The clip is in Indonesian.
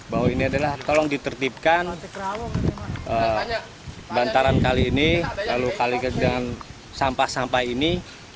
bahwa ini adalah tolong ditertipkan bantaran kali ini lalu kali dengan sampah sampah ini